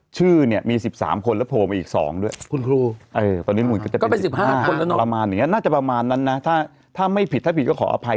ชื่อเนี่ยมี๑๓คนแล้วโผล่มาอีก๒ด้วยคุณครูตอนนี้น่าจะประมาณนั้นนะถ้าไม่ผิดถ้าผิดก็ขออภัย